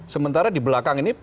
sementara di belakang ini